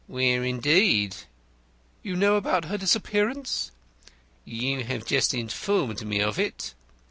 "Where, indeed?" "You know about her disappearance?" "You have just informed me of it."